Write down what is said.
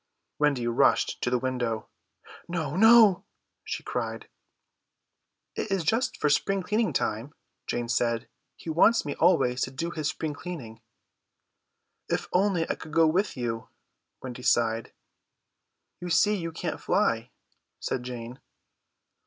Wendy rushed to the window. "No, no," she cried. "It is just for spring cleaning time," Jane said, "he wants me always to do his spring cleaning." "If only I could go with you," Wendy sighed. "You see you can't fly," said Jane.